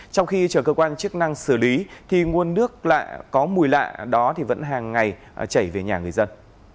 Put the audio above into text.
trong khi chờ cơ quan chức năng xử lý thì nguồn nước có mùi lạ đó vẫn hàng ngày chảy về nhà người dân